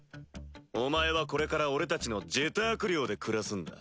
お前はこれから俺たちのジェターク寮で暮らすんだ。